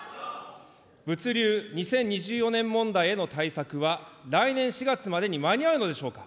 物流２０２４年問題への対策は、来年４月までに間に合うのでしょうか。